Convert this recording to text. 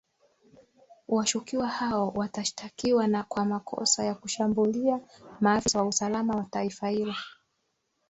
washukiwa hao watashtakiwa na kwa makosa ya kushambulia maafisa wa usalama wa taifa hilo